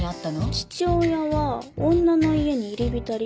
父親は女の家に入り浸り